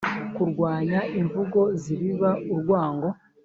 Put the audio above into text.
Kurwanya imvugo zibiba urwango